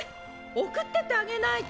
送ってってあげないと！